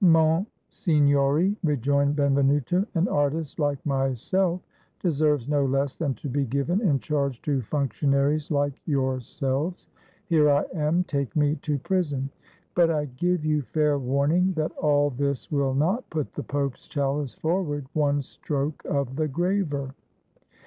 "Monsignori," rejoined Benvenuto, "an artist like myself deserves no less than to be given in charge to functionaries like yourselves. Here I am; take me to prison. But I give you fair warning that all this will not put the Pope's chalice forward one stroke of the graver."